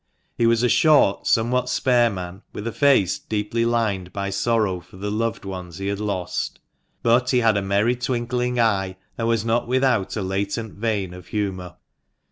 He was a short, somewhat spare man, with a face deeply lined by sorrow for the loved ones he had lost. But he had a merry twinkling eye, and was not without a latent vein of humour.